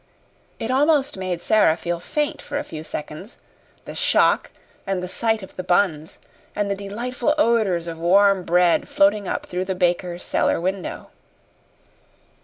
It almost made Sara feel faint for a few seconds the shock, and the sight of the buns, and the delightful odors of warm bread floating up through the baker's cellar window.